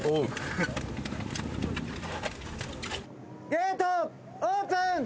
ゲートオープン！